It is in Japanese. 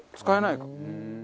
使えないか。